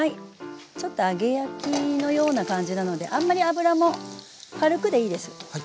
ちょっと揚げ焼きのような感じなのであんまり油も軽くでいいです。